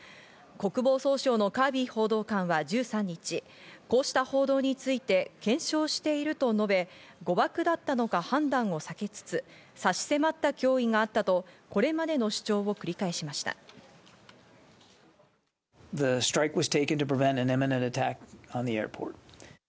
国防総省のカービー報道官は１３日、こうした報道について検証していると述べ、誤爆だったのか判断を避けつつ差し迫った脅威があったとこれまでの主張を繰り返しました。